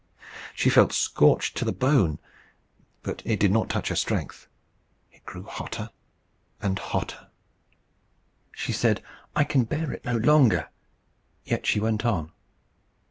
She felt scorched to the bone, but it did not touch her strength. It grew hotter and hotter. She said, "I can bear it no longer." Yet she went on.